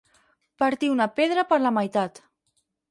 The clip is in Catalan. Partir una pedra per la meitat.